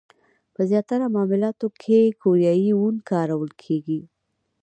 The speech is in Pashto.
په زیاتره معاملاتو کې کوریايي وون کارول کېږي.